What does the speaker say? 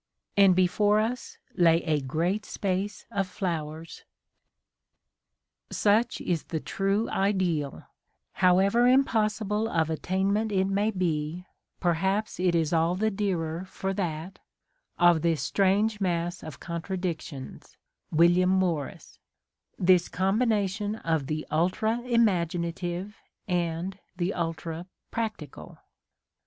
And before us lay a great space of flowers Such is the true ideal — however impossible of attainment it may be, perhaps it is all the A DAY WITH WILLIAM MORRIS. dearer for that — of this strange mass of contra dictions, William Morris — this combination of the ultra imaginative and the ultra practical.